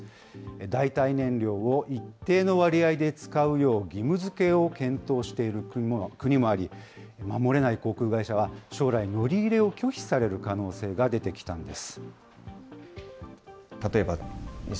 代替燃料を一定の割合で使うよう義務づけを検討している国もあり、守れない航空会社は将来、乗り入れを拒否される可能性が出てきたんです。